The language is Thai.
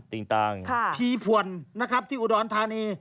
ติ่งตังพีผวนนะครับที่อุดรธานี